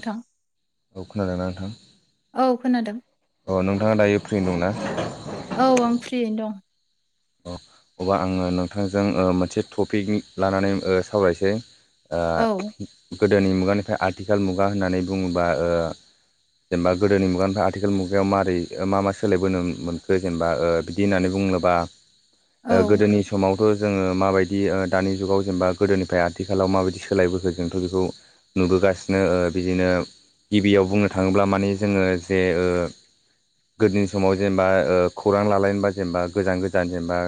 नोंथां औ खोनादोंना नोंथां? औ खोनादों अ नोंथाङा दायो फ्रि दंना? औ आं फ्रियैनो दं। अ अब्ला आङो नोंथांजों ओ मोनसे टपिक लानानै ओ सावरायसै। दं औ गोदोनि मुगानिफ्राय आथिखाल मुगा होननानै बुङोबा ओ जेनेबा गोदोनि मुगानिफ्राय आथिखाल मुगायाव मारै मा मा सोलायबोनो मोनखो जेनेबा ओ बिदि होननानै बुङोबा औ गोदोनि समाव जोङो माबायदि दानि जुगाव जेनबा गोदोनिफ्राय आथिखालाव माबायदि सोलायबोखो जोंथ' बेखौ नुबोगासिनो बिदिनो गिबियाव बुंनो थाङोब्ला माने जोङो जे ओ गोदोनि समाव जेनेबा खौरां लालायनोबा जेनेबा गोजान गोजान जेनेबा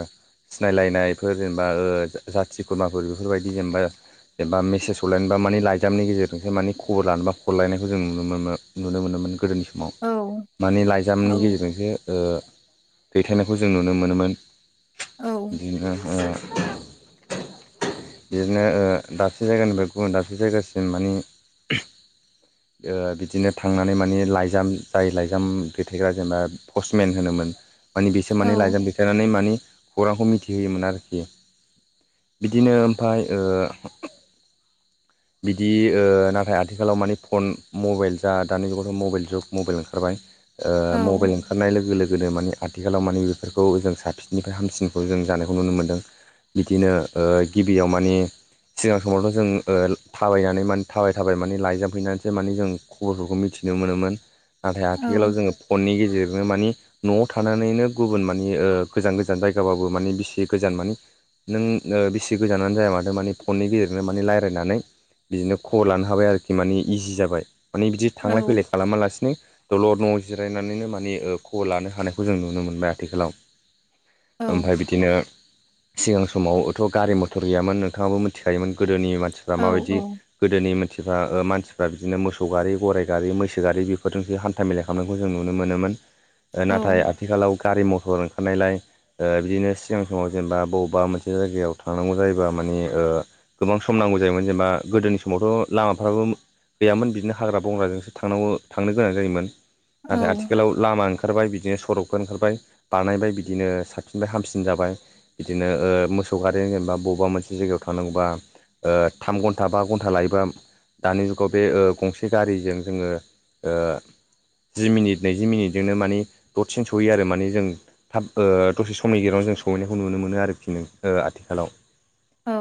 सिनायलायनायफोर जेनेबा ओ जाथि खुरमाफोर बेफोरबायदि जेनेबा जेनेबा मेसेज हरलायनोबा मानि लाइजामनि गेजेरजोंसो मानि खबर लानोबा हरलायनायखौ जों नुनो मोनो। नुनो मोनोमोन गोदोनि सम आव औ माने लाइजामनि औ गेजेरजोंसो ओ दैथायनायखौ जों नुनो मोनोमोन। [unintelligible] औ बिदिनो ओ दाबसे जायगानिफ्राय गुबुन दाबसे जायगासिम माने [inaudible] जोङो बिदिनो थांनानै माने लाइजाम जाय लाइजाम दैथायग्रा जेनेबा पष्टमेन होनोमोन। माने बिसो औ माने लाइजाम दैथाइनानै माने खौरांखौ मिथिहोयोमोन आरोखि। बिदिनो ओमफाय ओ बिदि ओ नाथाय आथिखालाव मानि फन मबाइल जा दानि जुगावथ' मबाइल जुग मबाइल ओंखारबाय। ओ औ मबाइल ओंखारनाय लोगो लोगोनो माने आथिखालाव माने बेफोर खौ जों साबसिननिफ्राय हामसिनखौ जों जानायखौ नुनो मोनदों। बिदिनो ओ गिबियाव माने सिगां समावथ' जों ओ थाबायनानै माने थाबाय थाबाय माने लायजामफैनानैसो माने जों खबरफोरखौ मिथिनो मोनोमोन। नाथाय औ आथिखालाव जोङो फननि गेजेरजोंनो मानि न'आव थानानैनो गुबुन मा मानि ओ गोजान गोजान जायगाबो माने बेसे गोजान मोन? नों ओ बेसे गोजानानो जाया मानो मानिे फननि गेजेरजोंनो माने रायजलायनानै बिदिनो खबर लानो हाबाय आरोखि माने इजि जाबाय माने बिदि औ थांलाय फैलाय खालामालासिनो दलर न' जिरायनानैनो मानि खबर लानो हानायखौ जों नुनो मोनबाय आरो। आथिखालाव औ ओमफ्राय बिदिनो सिगां समावथ' गारि मथर गैयामोन नोंथाङाबो मिथिखायोमोन गोदोनि मानसिफ्रा औ माबायदि गोदोनि मानसिफ्रा ओ मानसिफ्रा बिदिनो मोसौ गारि गराइ गारि मैसो गारि बेफोरजोंसो हा हान्था मेला खालामनायखौ जों नुनो मोनोमोन नाथाय आथिखालाव गारि मथर ओंखारनायलाय ओ बिदिनो सिगां समाव जेनेबा बबेबा मोनसे जायगायाव थांनांगौ जायोबा माने ओ गोबां सम नांगौ जायोमोन जेनेबा गोदोनि समावथ' लामाफ्राबो गैयामोन बिदिनो हाग्रा बंग्राजोंसो थांनांगौ थांनो गोनां जायोमोन। नाथाय आथिखालाव लामा ओंखारबाय बिदिनो सरकखो ओंखार बाय बानायबाय बिदिनो साबसिनबाय हामसिन जाबाय। बिदिनो ओ मोसौ गारि जेनेबा बबेबा मोनसे जायगायाव थांनांगौबा। ओ थाम घन्टा बा घन्टा लायोबा दानि जुगाव बे ओ गंसे गारिजों जोङो ओ जि मिनिट नैजि मिनिटजोंनो माने दसेनो सहयो आरो माने जों थाब ओ दसे समनि गेजेरावनो जों सहैनायखौ नुनो मोनो आरोखि नों ओ आथिखालाव। औ।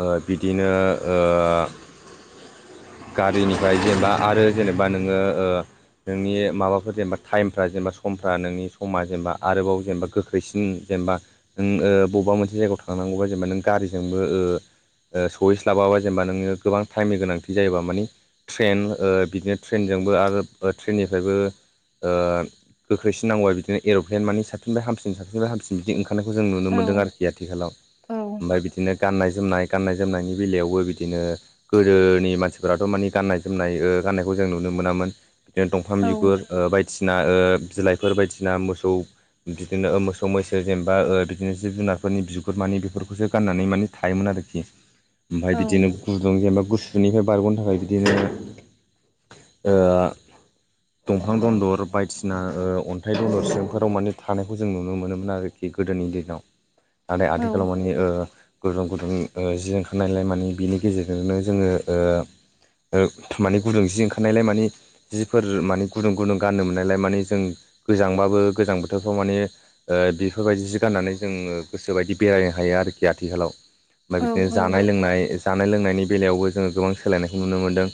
ओ बिदिनो ओ गारिनिफ्राय जेनेबा आरो जेनेबा नोङो ओ नोंनि माबाफोर जेनेबा टाइमफ्रा जेनेबा समफ्रा नोंनि समा जेनेबा आरोबाव जेनेबा गोख्रैसिन जेनेबा नों ओ बबेबा मोनसे जायगायाव थांनांगौबा जेनेबा नों गारिजोंबो ओ सहै स्लाबाबा जेनेबा नोङो गोबां टाइमनि गोनांथि जायोबा माने ट्रेन ओ बिदिनो ट्रेनजोंबो आरो ट्रेननिफ्रायबो ओह गोख्रैसिन नांगौ बिदिनो एर'प्लेन माने साबसिनफ्राय हामसिन साबसिननिफ्राय हामसिन बिदि ओंखारनायखौ जों नुनो मोन्दों आरोखि आथिखालाव ओमफ्राय बिदिनो गाननाय जोमनाय गाननाय जोमनायनि बेलायावबो बिदिनो गोदोनि मानसिफोराथ' माने गाननाय जोमनाय ओ गाननायखौ जों नुनो मोनामोन। बिदिनो दंफां बिगुर ओ बायदिसिना बिलाइफोर बायदिसिना मोसौ बिदिनो मोसौ मैसो जेनेबा ओ बिदिनो जिब जुनारफोरनि बिगुर मानि बेफोरखौसो गाननानै माने थायोमोन आरोखि ओमफ्राय बिदिनो गुदुं जेनेबा गुसुनिफ्राय बारग'नो थाखाय बिदिनो ओ दंफां दन्दर बायदिसिना ओ अन थाय दर सिंफोराव माने थानायखौ जों नुनो मोनोमोन आरोखि गोदोनि दिनाव। नाथाय आथिखालाव माने ओ गुदुं गुदुं ओ जि ओंखारनायलाय माने बिनि गेजेरजोंनो जोङो ओ ओ माने गुदुं जि ओंखारनायलाय माने जिफोर माने गुदुं गुदुं गाननो मोननायलाय माने जों गोजांबाबो गोजां बोथोरफ्राव माने ओ बेफोरबायदि जि गाननानै जोङो गोसोबायदि बेरायनो हायो आरोखि आथिखालाव। ओमफ्राय बिदिनो जानाय लोंनाय जानाय लोंनायनि बेलायावबो जोङो गोबां सोलायनायखौ नुनो मोनदों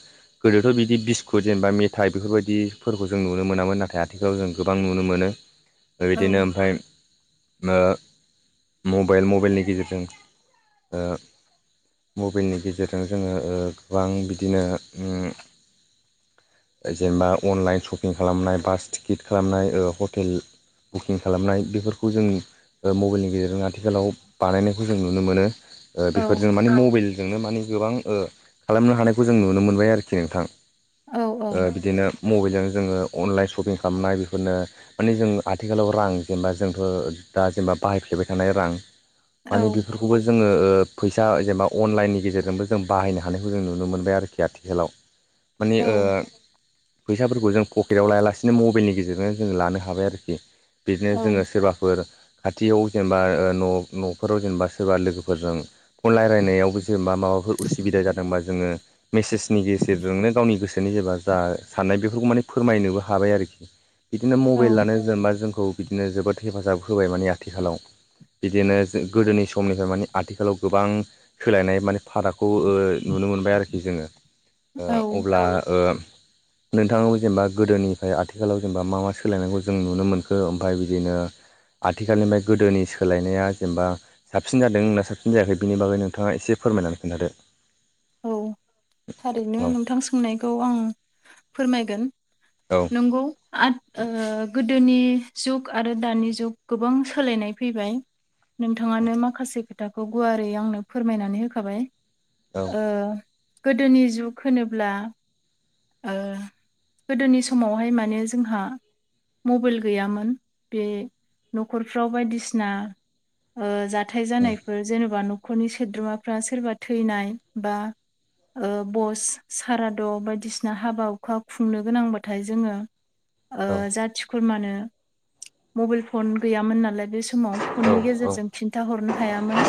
गोदोथ' बिदि बिस्कुट जेनेबा मेथाइ बेफोरबायदिफोरखौ जों नुनो मोनामोन नाथाय आथिखालाव जों गोबां नुनो मोनो बेबायदिनो ओमफ्राय ओ मबाइल मबाइलनि गेजेरजों ओ मबाइलनि गेजेरजों जोङो ओ गोबां बिदिनो उम जेनेबा अनलाइन सपिं खालामनाय बास टिकेट खालामनाय ओ हटेल बुकिं खालामनाय बेफोरखौ जोंनि मबाइलनि गेजेरजों आथिखालाव बानायनायखौ जों नुनो मोनो। ओ बेफोरजों माने मबाइल जोंनो मानिे गोबां ओ खालामनो हानायखौ जों नुनो मोनबाय आरोखि नोंथां ओ बिदिनो मबाइलजों जोङो अनलाइन सपिं खालामनाय बेफोरनो माने जोंङो आथिखालाव रां जेनेबा जोंथ' दा जेनेबा बाहायफ्लेबाय थानाय रां मानि बेफोर खौबो जोङो ओ फैसा जेनबा अनलाइननि गेजेरजोंबो जों बाहायनो हानायखौ जों नुनो मोनबाय आरोखि आथिखालाव मानिे ओ फैसाफोरखौ जों पकेटाव लाया लासेनो बिदिनो मबाइलनि गेजेरजोंनो जोङो लानो हाबाय आरोखि बिदिनो जोङो सोरबाफोर खाथियाव जेन'बा न' न'फोराव जेन'बा सोरबा लोगोफोरजों फन रायलायनायावबो जेन'बा माबाफोर उसुबिदा जादोंबा जोङो मेसेजनि गेजेरजोंनो गावनि गोसोनि जेब्ला जा साननाय बेफोरखौ माने फोरमायनोबो हा हाबाय आरोखि बिदिनो औ मबाइलानो जेन'बा जोंखौ बिदिनो जोबोद हेफाजाब होबाय माने आथिखालाव बिदिनो जों गोदोनि समनिफ्राय माने आथिखालाव गोबां सोलायनाय माने फारागखौ ओ नुनो मोनबाय आरोखि जोङो ओ अब्ला ओ नोंथाङाबो जेन'बा गोदोनि फ्राय आथिखालाव जेन'बा मा मा सोलायनायखौ जों नुनो मोनखो ओमफ्राय बिदिनो आथिखालनिफ्राय गोदोनि सोलायनाया जेन'बा साबसिन जादों ना साबसिन जायाखै बिनि बागै नोंथाङा एसे फोरमायनानै खिन्थादो। औ थारैनो औ नोंथां सोंनायखौ आं फोरमायगोन औ नंगौ आथ ओ गोदोनि जुग आरो दानि जुग गोबां सोलायनाय फैबाय नोंथाङानो माखासे खोथाखौ गुवारै आंनो फोरमायनानै होखाबाय औ ओ गोदोनि जुग होनोब्ला ओ गोदोनि समावहाय माने जोंहा मबाइल गैयामोन बे न'खरफ्राव बायदिसिना ओ जा थाय जानायफोर जेन'बा न'खरनि सोद्रोमाफ्रा सोरबा थैनाय बा ओ बस साराद' बायदिसिना ना हाबा हुखा खुंनो गोनांबो थायो जोङो ओ औ जाथि खुरमानो मबाइल फन गैयामोन नालाय बे समाव औ फननि औ गेजेरजों खिन्था हरनो हायामोन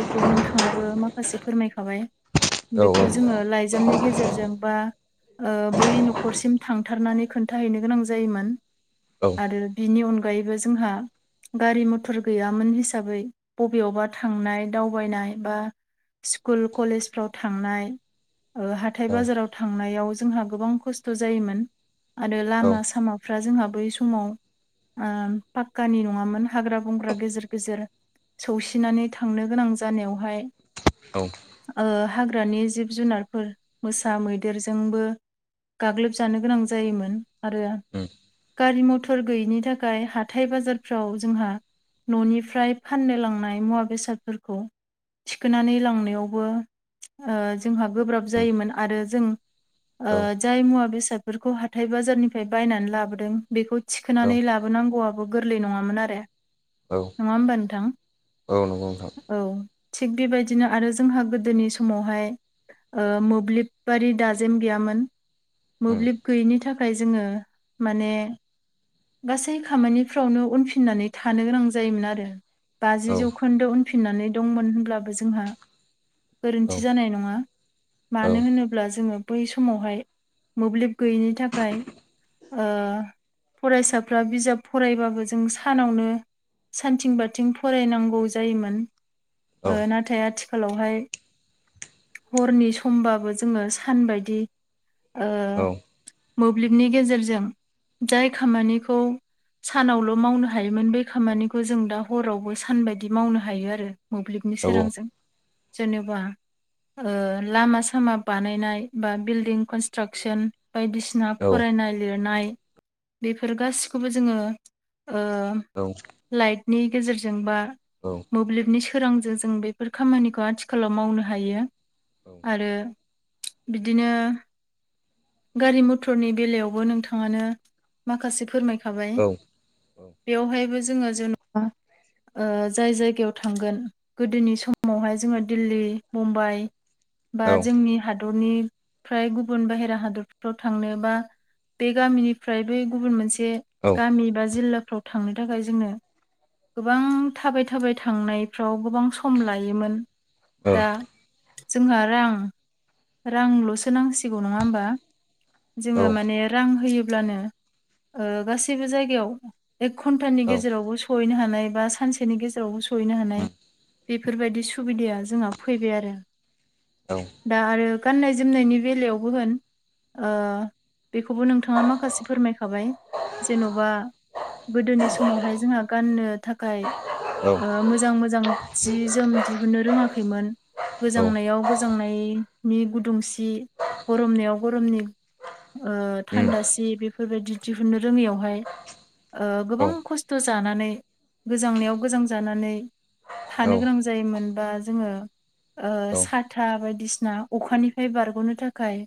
बेखौ नोंथांङाबो माखासे फोरमायखाबाय। औ बेखौ जोंङो लाइजामनि गेजेरजों बा ओ बै न'खरसिम थांथारनानै खोन्थाहैनो गोनां जायोमोन। औ आरो बिनि अनगायैबो जोंहा गारि मटर गैयामोन हिसाबै बबेयावबा थांनाय दावबायनाय बा स्कुल कलेजफ्राव थांनाय ओ हा हाथाइ औ बाजाराव थांनायाव जोंहा गोबां खस्थ' जायोमोन। आरो लामा सामा फ्रा जोंहा बै समाव ओ पाक्कानि नङामोन हाग्रा बंग्रा गेजेर गेजेर सौसिनानै थांनो गोनां जानायावहाय औ ओ हाग्रानि जिब-जुनारफोर मोसा, मैदेर जोंबो गाग्लोब जानो गोनां जायोमोन आरो गारि मथर फोर गैयिनि थाखाय हाथाय बाजारफ्राव जोंहा न'निफ्राय फाननो लांनाय मुवा बेसादफोरखौ थिखोनानै लांनायावबो ओ जोंहा गोब्राब जायोमोन आरो जों औ ओ औ जाय मुवा बेसादफोरखौ हाथाय बाजारनिफ्राय बायनानै लाबोदों बेखौ थिखोनानै लाबो नांगौआबो गोरलै नंङामोन आरो नंङा होमबा नोंथां? औ नंगौ नोंथां औ थिग बेबायदिनो आरो जोंहा गोदोनि समावहाय ओ मोब्लिब बादि दाजेम गैयामोन मोब्लिब गैयिनि थाखाय जोंङो माने गासै खामानिफ्रावनो उनफिननानै थानो गोनां जायोमोन आरो। बाजि औ जौखोन्दो उनफिननानै दंमोन होनब्लाबो जोंहा औ गोरोन्थि जानाय नंङा। औ मानो होनोब्ला जोंङो बै समावहाय मोब्लिब गैयैनि थाखाय ओ फरायसाफ्रा बिजाब फरायबाबो जों सानावनो सानथिं बाथिं फरायनांगौ जायोमोन औ ओ नाथाय आथि खालावहाय हरनि समबाबो जोंङो सान बायदि ओ औ मोब्लिबनि गेजेरजों जाय खामानिखौ सानावल' मावनो हायोमोन बे औ खामानिखौ जों दा हरावबो सानबायदि मावनो हायो आरो। मोब्लिबनि सोरांजों जेनेबा ओ लामा सामा बानायनाय बा बिल्डिं कनस्ट्राकसन बायदिसिना फरायनाय लिरनाय। बेफोर गासिखौबो जोंङो ओम औ। लाइटनि गेजेरजों बा औ। मोब्लिबनि सोरांजों जो बेफोर खामानिखौ आथिखालाव मावनो हायो। आरो बिदिनो गारि मथरनि बेलायावबो नोंथांङानो माखासे फोरमायखाबाय। बेवहायबो जोंङो जेन'बा ओ जाय जायगायाव थांगोन गोदोनि समावहाय जोंङो दिल्ली मुम्बाइ बा जोंनि हादरनि फ्राय गुबुन बाहेरा हादर फोराव थांनोबा बे गामिनिफ्राय बै गुबुन मोनसे गामि बा जिल्लाफ्राव थांनो थाखाय जोंनो गोबां थाबाय थाबाय थांनायफ्राव गोबां सम लायोमोन। दा जोंहा रां रांल'सो नांसिगौ नंङा होमबा। जोंङो माने रां होयोब्लानो ओ गासैबो जायगायाव एक घन्टानि औ गेजेरावबो सहैनो हानाय बा सानसेनि गेजेरावबो सहैनो औ हानाय। बेफोरबायदि सुबिदाया जोंहा फैबाय आरो। औ। दा आरो गाननाय जोमनायनि बेलायावबो होन। ओ बेखौबो नोंथाङा माखासे फोरमायखाबाय जेन'बा। गोदोनि समावहाय जोंहा गाननो थाखाय औ ओ मोजां मोजां जि जोम दिहुननो रोङाखैमोन उम गोजांनायाव गोजांनायनि गुदुंसि गरमनायाव गरमनि ओ थान्दासि बेफोरबायदि दिहुनो रोङैयावहाय। ओ औ गोबां खस्थ' जानानै गोजांनायाव गोजां जानानै औ थानो गोनां जायोमोनबा जोंङो। ओ साथा बायदिसिना अखानिफ्राय बारग'नो थाखाय।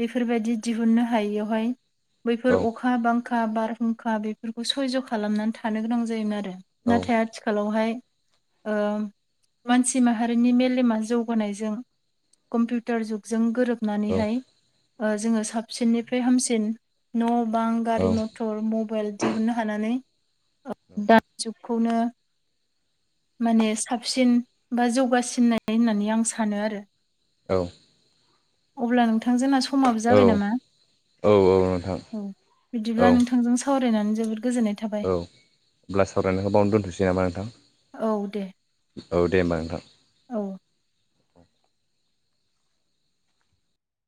बेफोरबायदि दिहुननो हायियावहाय। औ बैफोर अखा बांखा बारहुंखा बेफोरखौ सयज' खालामनानै थानो गोनां जायोमोन आरो। नाथाय आथिखालावहाय ओं मानसि माहारिनि मेलेमा जौगानायजों। कम्पिउटार जुगजों औ गोरोबनानैहाय। ओ जोङो साबसिननिफ्राय हामसिन न' बां गारि मथर। मटर मबाइल दिहुननो हानानै ओम दानि जुगखौनो। माने साबसिन बा जौगासिननाय होननानै आं सानो आरो। औ अब्ला नोंथां जोंना समाबो जाबाय नामा औ औ नोंथां। औ औ बिदिब्ला नोंथांजों सावरायनानै जोबोद गोजोननाय थाबाय अब्ला सावरायनायखौ बावनो दोनथ'सै नामा नोंथां औ दे होमबा नोंथां औ